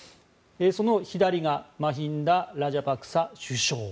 その左がマヒンダ・ラジャパクサ首相。